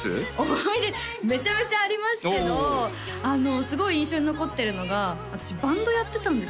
思い出めちゃめちゃありますけどすごい印象に残ってるのが私バンドやってたんですよ